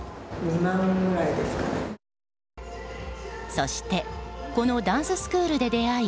そしてこのダンススクールで出会い